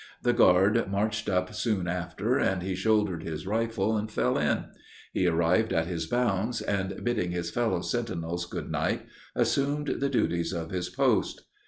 The guard marched up soon after, and he shouldered his rifle, and fell in. He arrived at his bounds, and, bidding his fellow sentinels good night, assumed the duties of his post.